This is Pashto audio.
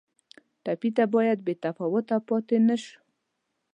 ټپي ته باید بې تفاوته پاتې نه شو.